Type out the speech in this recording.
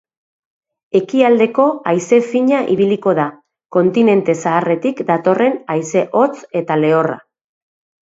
Ekialdeko haize fina ibiliko da, kontinente zaharretik datorren haize hotz eta lehorra.